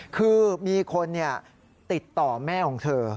คือมีคนติดต่อแม่ของเธอ